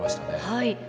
はい。